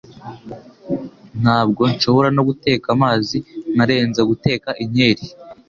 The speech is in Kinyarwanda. Ntabwo nshobora no guteka amazi, nkarenza guteka inkeri.